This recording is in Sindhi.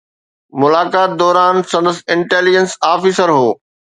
ملاقات دوران سندس انٽيليجنس آفيسر هو